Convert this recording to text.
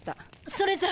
それじゃ。